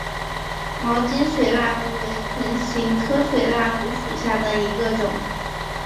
毛茎水蜡烛为唇形科水蜡烛属下的一个种。